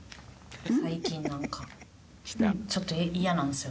最近なんかちょっとイヤなんすよ